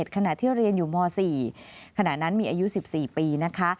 ขณะที่เรียนอยู่ม๔ขณะนั้นมีอายุ๑๔ปีนะคะ